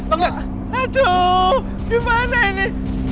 aduh gimana ini